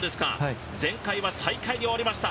前回は最下位に終わりました。